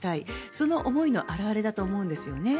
その思いの表れだと思うんですね。